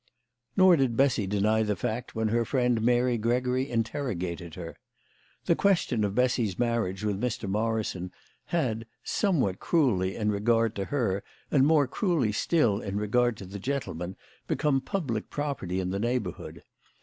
Nor did Bessy deny the fact when her friend Mary Gregory interrogated her. The question of Bessy's marriage with Mr. Morrison had, somewhat cruelly in regard to her and more cruelly still in regard to the gentleman, become public property in the neighbour hood.